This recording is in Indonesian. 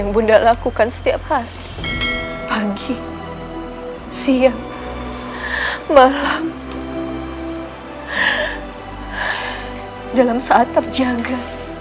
bunda lakukan setiap hari pagi siang malam dalam saat terjaga